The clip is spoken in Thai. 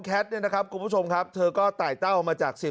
เนี่ยนะครับคุณผู้ชมครับเธอก็ไต่เต้ามาจากสิบ